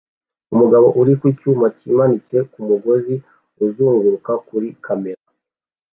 Umugore uri ku cyuma kimanitse ku mugozi uzunguruka kuri kamera